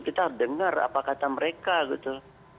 kita harus dengar apa kata mereka gitu